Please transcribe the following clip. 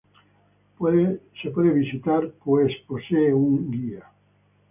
Puede ser visitada pues posee un guía.